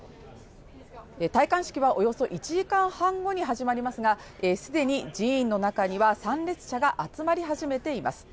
戴冠式はおよそ１時間半後に始まりますが、既に寺院の中には参列者が集まり始めています。